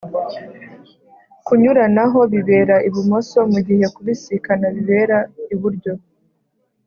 kunyuranaho bibera ibumoso, mugihe kubisikana bibera iburyo